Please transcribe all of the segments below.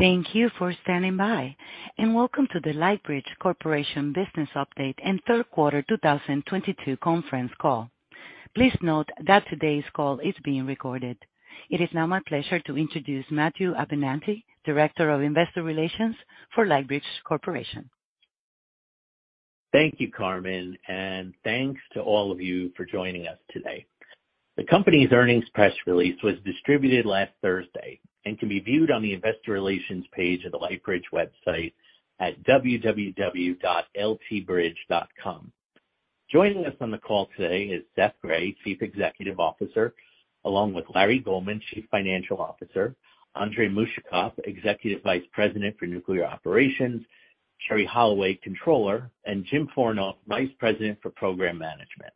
Thank you for standing by, and welcome to the Lightbridge Corporation business update and third quarter 2022 conference call. Please note that today's call is being recorded. It is now my pleasure to introduce Matthew Abenante, Director of Investor Relations for Lightbridge Corporation. Thank you, Carmen, and thanks to all of you for joining us today. The company's earnings press release was distributed last Thursday and can be viewed on the investor relations page of the Lightbridge website at www.ltbridge.com. Joining us on the call today is Seth Grae, Chief Executive Officer, along with Larry Goldman, Chief Financial Officer, Andrey Mushakov, Executive Vice President for Nuclear Operations, Sherrie Holloway, Controller, and James Fornof, Vice President for Program Management.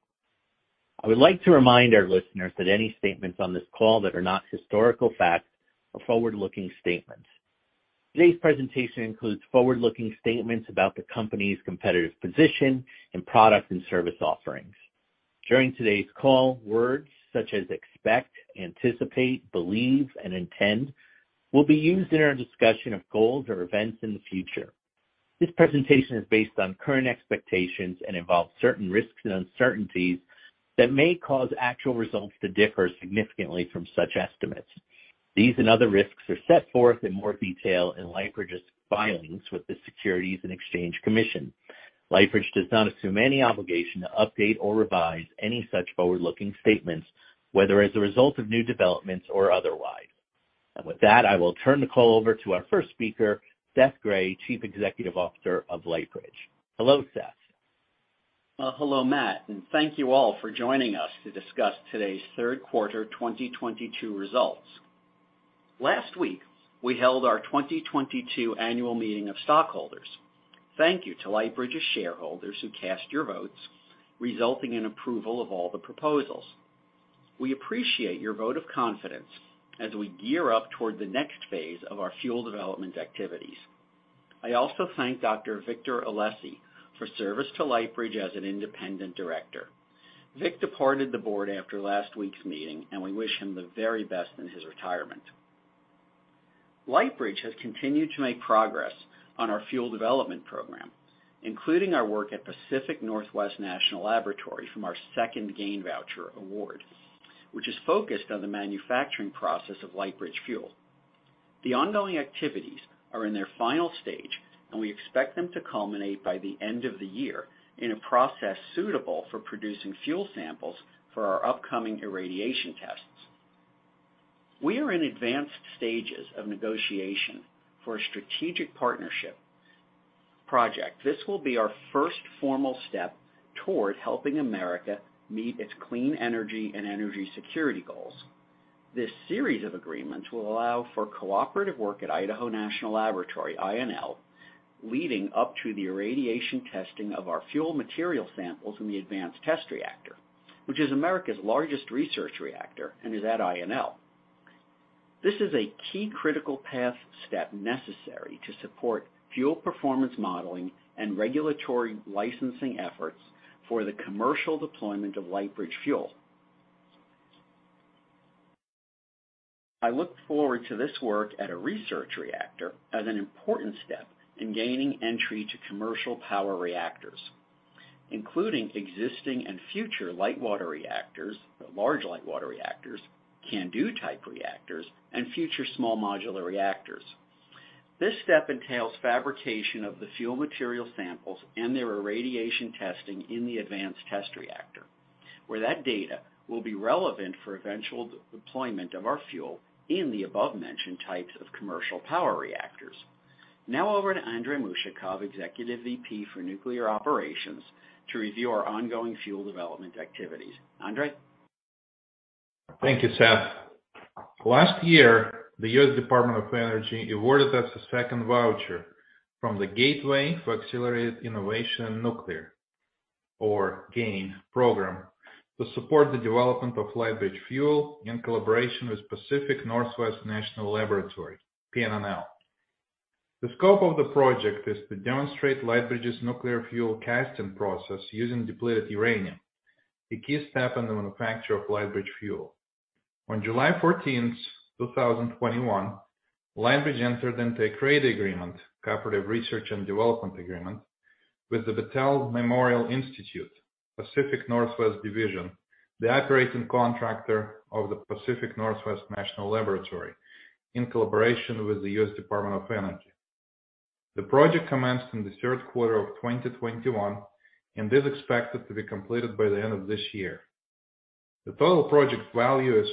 I would like to remind our listeners that any statements on this call that are not historical facts are forward-looking statements. Today's presentation includes forward-looking statements about the company's competitive position and product and service offerings. During today's call, words such as expect, anticipate, believe, and intend will be used in our discussion of goals or events in the future. This presentation is based on current expectations and involves certain risks and uncertainties that may cause actual results to differ significantly from such estimates. These and other risks are set forth in more detail in Lightbridge's filings with the Securities and Exchange Commission. Lightbridge does not assume any obligation to update or revise any such forward-looking statements, whether as a result of new developments or otherwise. With that, I will turn the call over to our first speaker, Seth Grae, Chief Executive Officer of Lightbridge. Hello, Seth. Well, hello, Matt, and thank you all for joining us to discuss today's third quarter 2022 results. Last week, we held our 2022 annual meeting of stockholders. Thank you to Lightbridge's shareholders who cast your votes, resulting in approval of all the proposals. We appreciate your vote of confidence as we gear up toward the next phase of our fuel development activities. I also thank Dr. Victor Alessi for service to Lightbridge as an independent director. Vic departed the board after last week's meeting, and we wish him the very best in his retirement. Lightbridge has continued to make progress on our fuel development program, including our work at Pacific Northwest National Laboratory from our second GAIN voucher award, which is focused on the manufacturing process of Lightbridge Fuel. The ongoing activities are in their final stage, and we expect them to culminate by the end of the year in a process suitable for producing fuel samples for our upcoming irradiation tests. We are in advanced stages of negotiation for a strategic partnership project. This will be our first formal step toward helping America meet its clean energy and energy security goals. This series of agreements will allow for cooperative work at Idaho National Laboratory, INL, leading up to the irradiation testing of our fuel material samples in the Advanced Test Reactor, which is America's largest research reactor and is at INL. This is a key critical path step necessary to support fuel performance modeling and regulatory licensing efforts for the commercial deployment of Lightbridge Fuel. I look forward to this work at a research reactor as an important step in gaining entry to commercial power reactors, including existing and future light water reactors, large light water reactors, CANDU-type reactors, and future small modular reactors. This step entails fabrication of the fuel material samples and their irradiation testing in the Advanced Test Reactor, where that data will be relevant for eventual deployment of our fuel in the above-mentioned types of commercial power reactors. Now over to Andrey Mushakov, Executive VP for Nuclear Operations, to review our ongoing fuel development activities. Andrey? Thank you, Seth. Last year, the U.S. Department of Energy awarded us a second voucher from the Gateway for Accelerated Innovation in Nuclear, or GAIN program, to support the development of Lightbridge Fuel in collaboration with Pacific Northwest National Laboratory, PNNL. The scope of the project is to demonstrate Lightbridge's nuclear fuel casting process using depleted uranium, a key step in the manufacture of Lightbridge Fuel. On July 14, 2021, Lightbridge entered into a CRADA agreement, Cooperative Research and Development Agreement, with the Battelle Memorial Institute, Pacific Northwest Division, the operating contractor of the Pacific Northwest National Laboratory, in collaboration with the U.S. Department of Energy. The project commenced in the third quarter of 2021 and is expected to be completed by the end of this year. The total project value is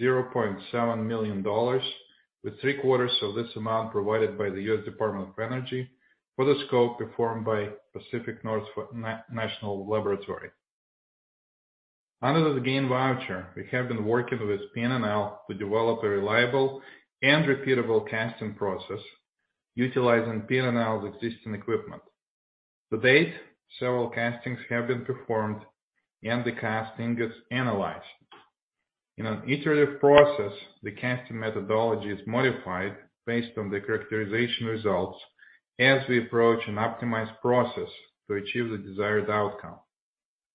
$0.7 million, with three-quarters of this amount provided by the U.S. Department of Energy for the scope performed by Pacific Northwest National Laboratory. Under the GAIN voucher, we have been working with PNNL to develop a reliable and repeatable casting process utilizing PNNL's existing equipment. To date, several castings have been performed, and the casting is analyzed. In an iterative process, the casting methodology is modified based on the characterization results as we approach an optimized process to achieve the desired outcome.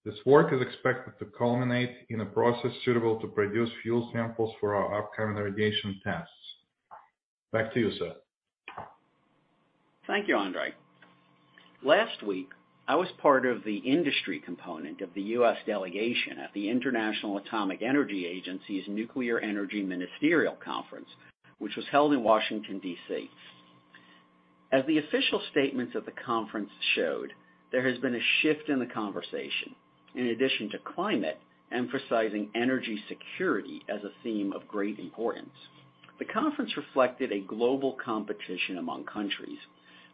This work is expected to culminate in a process suitable to produce fuel samples for our upcoming irradiation tests. Back to you, Seth. Thank you, Andrey. Last week, I was part of the industry component of the U.S. delegation at the International Atomic Energy Agency's Nuclear Energy Ministerial Conference, which was held in Washington, D.C. As the official statements of the conference showed, there has been a shift in the conversation. In addition to climate, emphasizing energy security as a theme of great importance. The conference reflected a global competition among countries,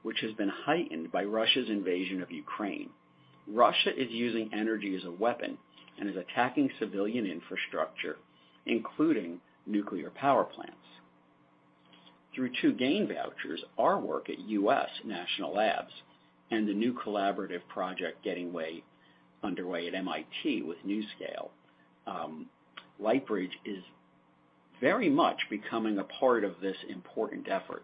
which has been heightened by Russia's invasion of Ukraine. Russia is using energy as a weapon and is attacking civilian infrastructure, including nuclear power plants. Through two GAIN vouchers, our work at U.S. national labs and the new collaborative project underway at MIT with NuScale, Lightbridge is very much becoming a part of this important effort.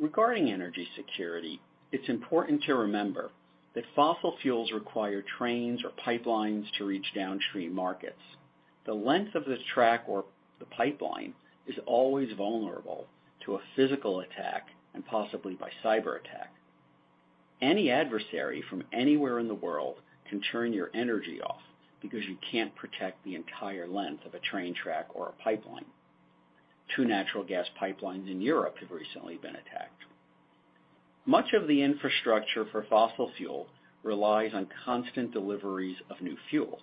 Regarding energy security, it's important to remember that fossil fuels require trains or pipelines to reach downstream markets. The length of this track or the pipeline is always vulnerable to a physical attack and possibly by cyber-attack. Any adversary from anywhere in the world can turn your energy off because you can't protect the entire length of a train track or a pipeline. Two natural gas pipelines in Europe have recently been attacked. Much of the infrastructure for fossil fuel relies on constant deliveries of new fuel.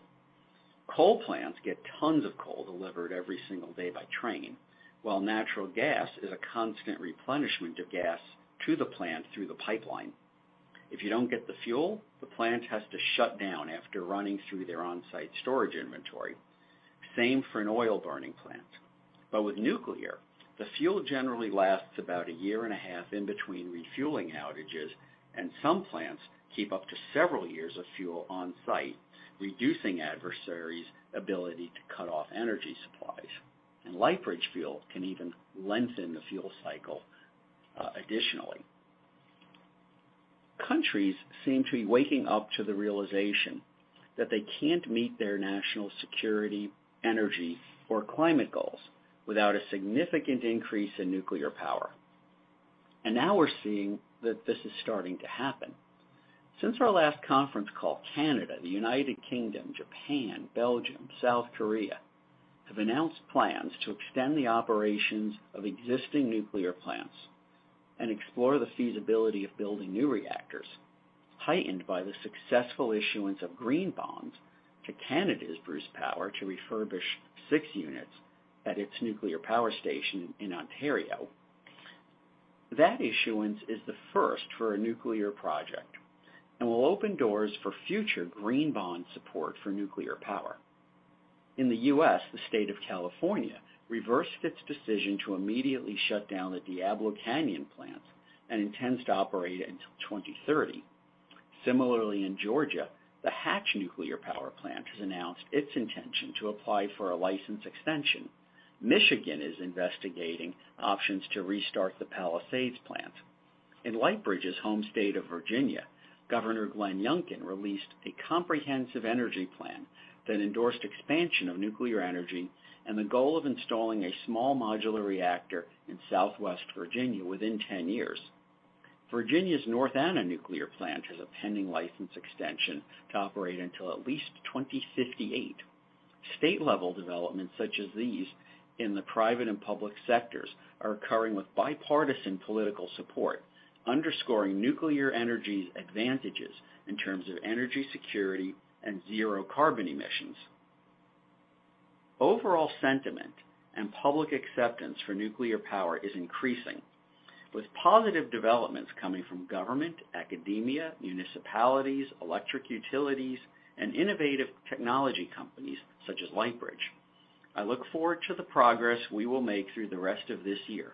Coal plants get tons of coal delivered every single day by train, while natural gas is a constant replenishment of gas to the plant through the pipeline. If you don't get the fuel, the plant has to shut down after running through their on-site storage inventory. Same for an oil burning plant. With nuclear, the fuel generally lasts about a year and a half in between refueling outages, and some plants keep up to several years of fuel on-site, reducing adversaries' ability to cut off energy supplies. Lightbridge Fuel can even lengthen the fuel cycle, additionally. Countries seem to be waking up to the realization that they can't meet their national security, energy, or climate goals without a significant increase in nuclear power. Now we're seeing that this is starting to happen. Since our last conference call, Canada, the United Kingdom, Japan, Belgium, South Korea, have announced plans to extend the operations of existing nuclear plants and explore the feasibility of building new reactors, heightened by the successful issuance of Green Bonds to Canada's Bruce Power to refurbish six units at its nuclear power station in Ontario. That issuance is the first for a nuclear project and will open doors for future Green Bonds support for nuclear power. In the U.S., the state of California reversed its decision to immediately shut down the Diablo Canyon plant and intends to operate it until 2030. Similarly, in Georgia, the Hatch Nuclear Power Plant has announced its intention to apply for a license extension. Michigan is investigating options to restart the Palisades plant. In Lightbridge's home state of Virginia, Governor Glenn Youngkin released a comprehensive energy plan that endorsed expansion of nuclear energy and the goal of installing a small modular reactor in southwest Virginia within 10 years. Virginia's North Anna Nuclear Generating Station has a pending license extension to operate until at least 2058. State-level developments such as these in the private and public sectors are occurring with bipartisan political support, underscoring nuclear energy's advantages in terms of energy security and zero carbon emissions. Overall sentiment and public acceptance for nuclear power is increasing, with positive developments coming from government, academia, municipalities, electric utilities, and innovative technology companies such as Lightbridge. I look forward to the progress we will make through the rest of this year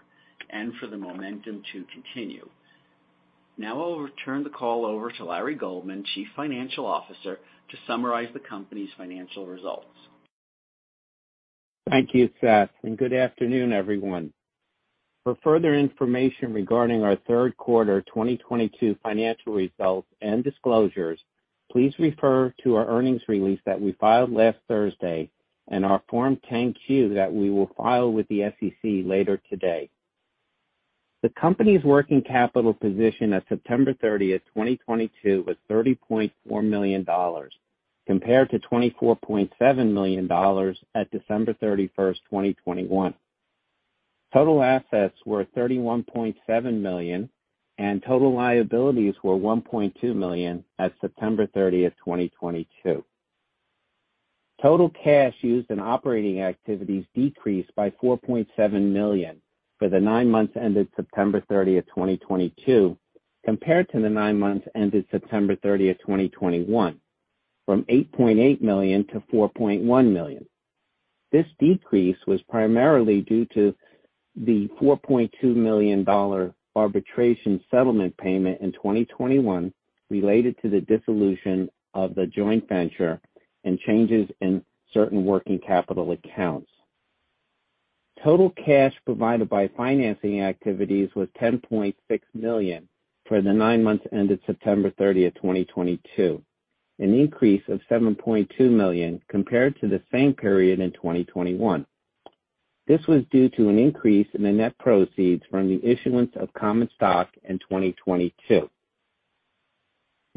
and for the momentum to continue. Now I'll return the call over to Larry Goldman, Chief Financial Officer, to summarize the company's financial results. Thank you, Seth, and good afternoon, everyone. For further information regarding our third quarter 2022 financial results and disclosures, please refer to our earnings release that we filed last Thursday and our Form 10-Q that we will file with the SEC later today. The company's working capital position at September 30, 2022, was $30.4 million, compared to $24.7 million at December 31, 2021. Total assets were $31.7 million, and total liabilities were $1.2 million at September 30, 2022. Total cash used in operating activities decreased by $4.7 million for the nine months ended September 30, 2022, compared to the nine months ended September 30, 2021, from $8.8 million to $4.1 million. This decrease was primarily due to the $4.2 million arbitration settlement payment in 2021 related to the dissolution of the joint venture and changes in certain working capital accounts. Total cash provided by financing activities was $10.6 million for the nine months ended September 30, 2022. An increase of $7.2 million compared to the same period in 2021. This was due to an increase in the net proceeds from the issuance of common stock in 2022.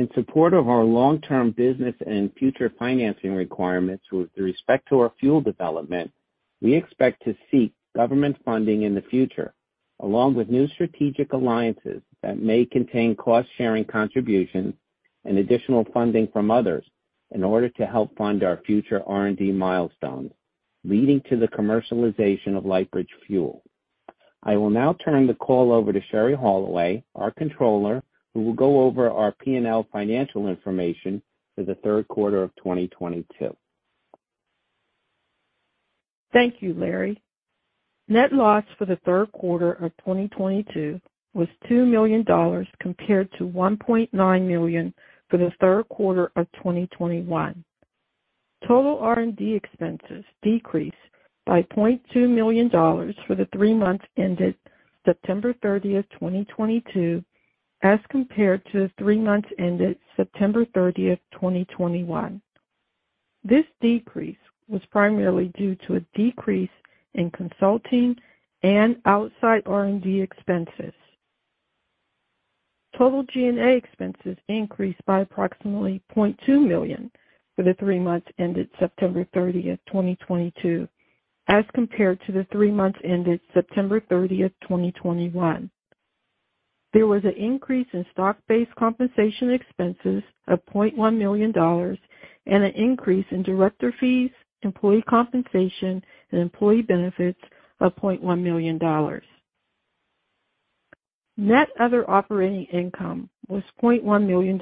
In support of our long-term business and future financing requirements with respect to our fuel development, we expect to seek government funding in the future, along with new strategic alliances that may contain cost-sharing contributions and additional funding from others in order to help fund our future R&D milestones, leading to the commercialization of Lightbridge Fuel. I will now turn the call over to Sherrie Holloway, our Controller, who will go over our P&L financial information for the third quarter of 2022. Thank you, Larry. Net loss for the third quarter of 2022 was $2 million compared to $1.9 million for the third quarter of 2021. Total R&D expenses decreased by $0.2 million for the three months ended September thirtieth, 2022, as compared to the three months ended September thirtieth, 2021. This decrease was primarily due to a decrease in consulting and outside R&D expenses. Total G&A expenses increased by approximately $0.2 million for the three months ended September thirtieth, 2022, as compared to the three months ended September thirtieth, 2021. There was an increase in stock-based compensation expenses of $0.1 million and an increase in director fees, employee compensation, and employee benefits of $0.1 million. Net other operating income was $0.1 million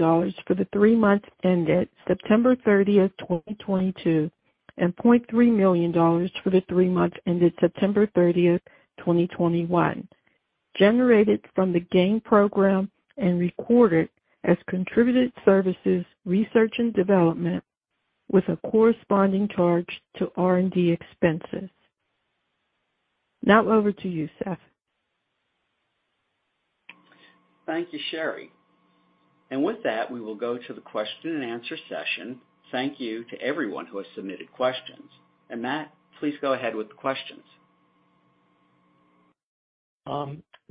for the three months ended September 30, 2022, and $0.3 million for the three months ended September 30, 2021, generated from the GAIN program and recorded as contributed services research and development with a corresponding charge to R&D expenses. Now over to you, Seth. Thank you, Sherrie. With that, we will go to the question and answer session. Thank you to everyone who has submitted questions. Matthew, please go ahead with the questions.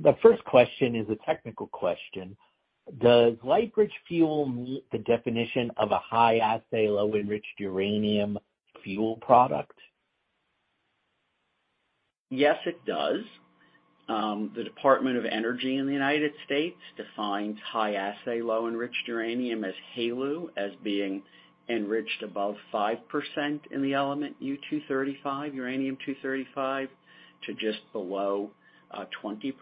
The first question is a technical question. Does Lightbridge Fuel meet the definition of a high assay, low enriched uranium fuel product? Yes, it does. The Department of Energy in the United States defines high assay low enriched uranium as HALEU as being enriched above 5% in the element U-235 or uranium-235, to just below 20%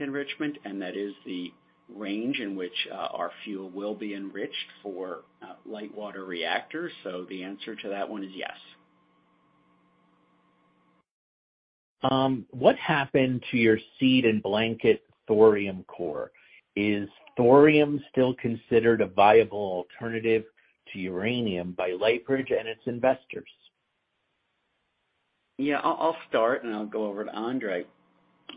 enrichment. That is the range in which our fuel will be enriched for light water reactors. The answer to that one is yes. What happened to your seed and blanket thorium core? Is thorium still considered a viable alternative to uranium by Lightbridge and its investors? Yeah, I'll start, and I'll go over to Andrey.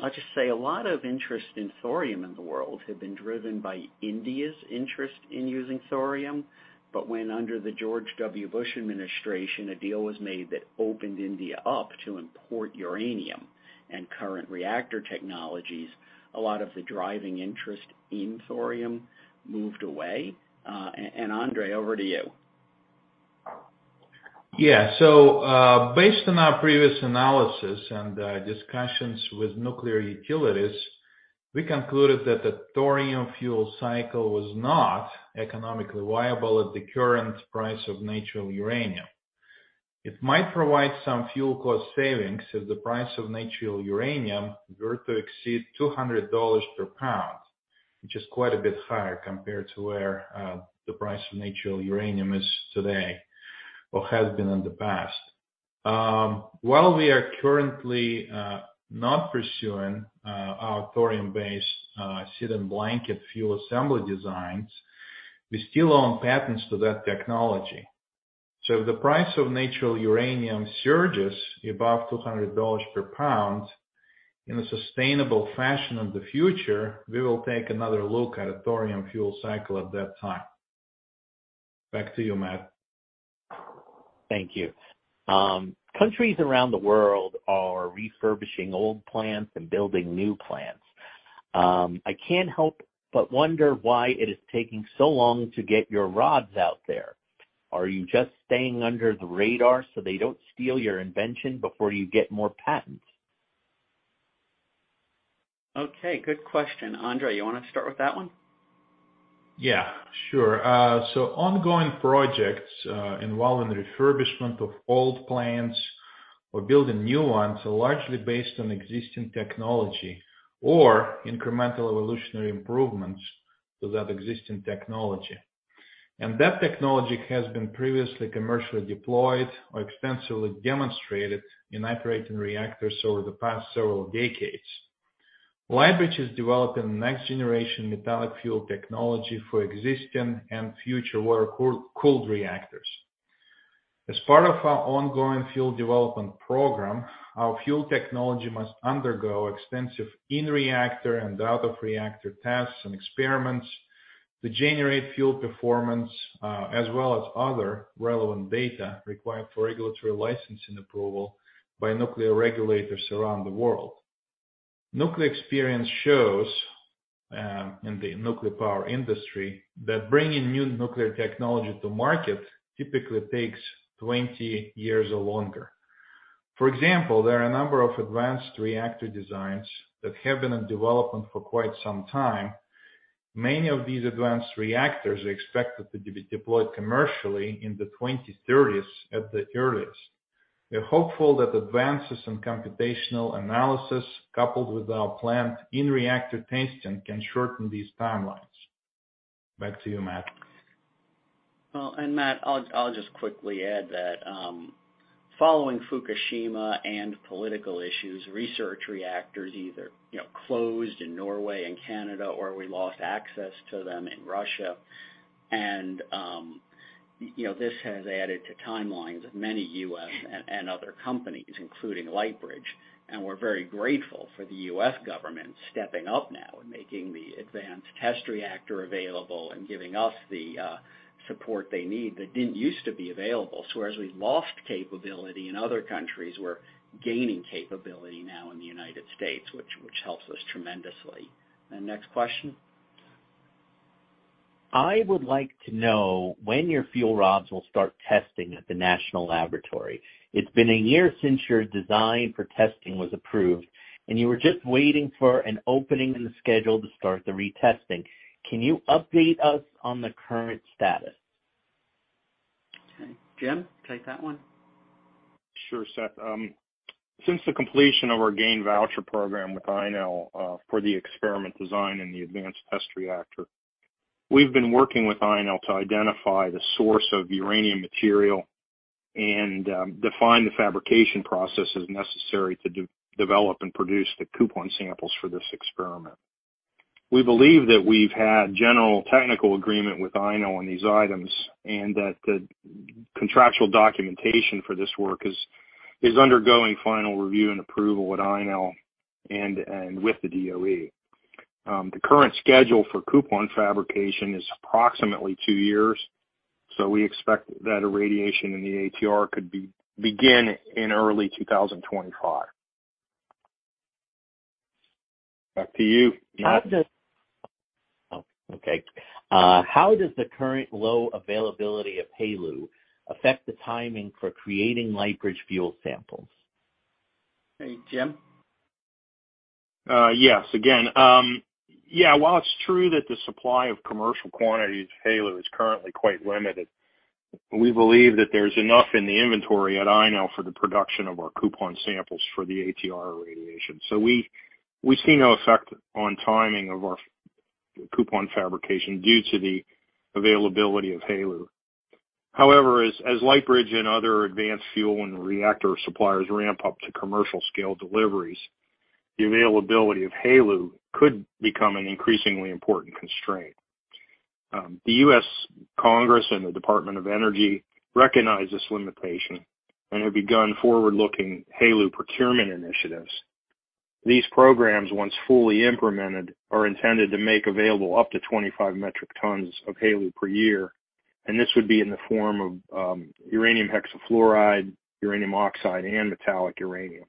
I'll just say a lot of interest in thorium in the world had been driven by India's interest in using thorium. When under the George W. Bush administration, a deal was made that opened India up to import uranium and current reactor technologies, a lot of the driving interest in thorium moved away. Andrey, over to you. Yeah. Based on our previous analysis and discussions with nuclear utilities, we concluded that the thorium fuel cycle was not economically viable at the current price of natural uranium. It might provide some fuel cost savings if the price of natural uranium were to exceed $200 per lbs, which is quite a bit higher compared to where the price of natural uranium is today or has been in the past. While we are currently not pursuing our thorium-based seed and blanket fuel assembly designs, we still own patents to that technology. If the price of natural uranium surges above $200 per lbs in a sustainable fashion of the future, we will take another look at a thorium fuel cycle at that time. Back to you, Matt. Thank you. Countries around the world are refurbishing old plants and building new plants. I can't help but wonder why it is taking so long to get your rods out there. Are you just staying under the radar so they don't steal your invention before you get more patents? Okay, good question. Andrey, you wanna start with that one? Yeah, sure. Ongoing projects involving refurbishment of old plants or building new ones are largely based on existing technology or incremental evolutionary improvements to that existing technology. That technology has been previously commercially deployed or extensively demonstrated in operating reactors over the past several decades. Lightbridge is developing next-generation metallic fuel technology for existing and future water-cooled reactors. As part of our ongoing fuel development program, our fuel technology must undergo extensive in-reactor and out-of-reactor tests and experiments to generate fuel performance as well as other relevant data required for regulatory licensing approval by nuclear regulators around the world. Nuclear experience shows in the nuclear power industry that bringing new nuclear technology to market typically takes 20 years or longer. For example, there are a number of advanced reactor designs that have been in development for quite some time. Many of these advanced reactors are expected to be deployed commercially in the 2030s at the earliest. We're hopeful that advances in computational analysis, coupled with our planned in-reactor testing, can shorten these timelines. Back to you, Matt. Well, Matt, I'll just quickly add that, following Fukushima and political issues, research reactors either, you know, closed in Norway and Canada, or we lost access to them in Russia. You know, this has added to timelines of many U.S. and other companies, including Lightbridge. We're very grateful for the U.S. government stepping up now and making the Advanced Test Reactor available and giving us the support they need that didn't use to be available. Whereas we lost capability in other countries, we're gaining capability now in the United States, which helps us tremendously. Next question. I would like to know when your fuel rods will start testing at the National Laboratory. It's been a year since your design for testing was approved, and you were just waiting for an opening in the schedule to start the retesting. Can you update us on the current status? Okay. James Fornof, take that one. Sure, Seth. Since the completion of our GAIN voucher program with INL, for the experiment design in the Advanced Test Reactor, we've been working with INL to identify the source of uranium material and define the fabrication processes necessary to develop and produce the coupon samples for this experiment. We believe that we've had general technical agreement with INL on these items, and that the contractual documentation for this work is undergoing final review and approval with INL and with the DOE. The current schedule for coupon fabrication is approximately two years, so we expect that irradiation in the ATR could begin in early 2025. Back to you. How does the current low availability of HALEU affect the timing for creating Lightbridge Fuel samples? Hey, Jim. Yes. Again, while it's true that the supply of commercial quantities of HALEU is currently quite limited, we believe that there's enough in the inventory at INL for the production of our coupon samples for the ATR irradiation. We see no effect on timing of our coupon fabrication due to the availability of HALEU. However, as Lightbridge and other advanced fuel and reactor suppliers ramp up to commercial scale deliveries, the availability of HALEU could become an increasingly important constraint. The U.S. Congress and the U.S. Department of Energy recognize this limitation and have begun forward-looking HALEU procurement initiatives. These programs, once fully implemented, are intended to make available up to 25 metric tons of HALEU per year, and this would be in the form of uranium hexafluoride, uranium oxide and metallic uranium.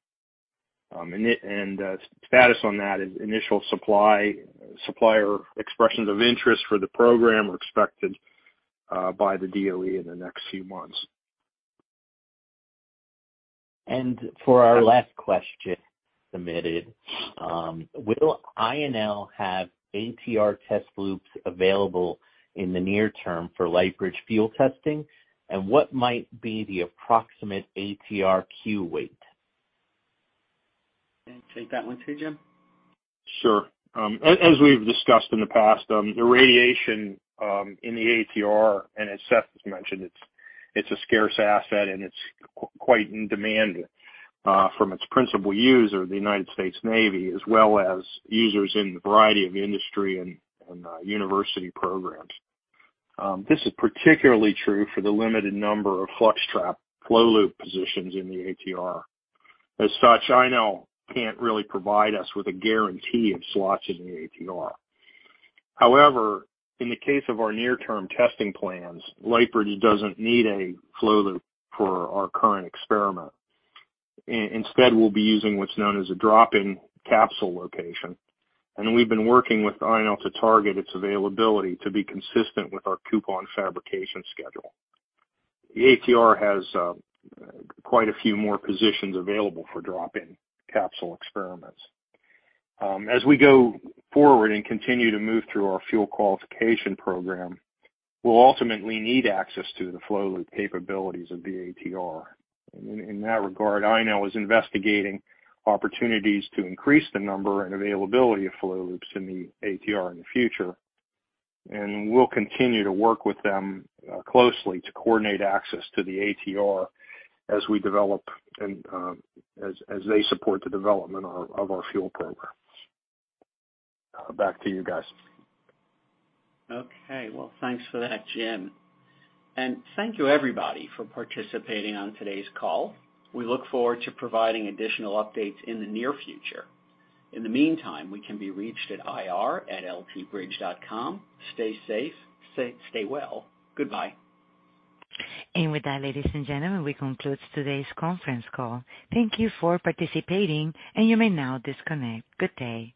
Status on that is initial supplier expressions of interest for the program are expected by the DOE in the next few months. For our last question submitted, will INL have ATR test loops available in the near term for Lightbridge Fuel testing? What might be the approximate ATR queue wait? Okay, take that one too, Jim. Sure. As we've discussed in the past, the radiation in the ATR, and as Seth has mentioned, it's a scarce asset and it's quite in demand from its principal user, the United States Navy, as well as users in a variety of industries and university programs. This is particularly true for the limited number of flux trap flow loop positions in the ATR. As such, INL can't really provide us with a guarantee of slots in the ATR. However, in the case of our near-term testing plans, Lightbridge doesn't need a flow loop for our current experiment. Instead, we'll be using what's known as a drop-in capsule location, and we've been working with INL to target its availability to be consistent with our coupon fabrication schedule. The ATR has quite a few more positions available for drop-in capsule experiments. As we go forward and continue to move through our fuel qualification program, we'll ultimately need access to the flow loop capabilities of the ATR. In that regard, INL is investigating opportunities to increase the number and availability of flow loops in the ATR in the future, and we'll continue to work with them closely to coordinate access to the ATR as we develop and as they support the development of our fuel program. Back to you guys. Okay. Well, thanks for that, Jim. Thank you everybody for participating on today's call. We look forward to providing additional updates in the near future. In the meantime, we can be reached at ir@ltbridge.com. Stay safe. Stay well. Goodbye. With that, ladies and gentlemen, we conclude today's conference call. Thank you for participating, and you may now disconnect. Good day.